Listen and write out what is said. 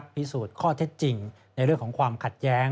พิสูจน์ข้อเท็จจริงในเรื่องของความขัดแย้ง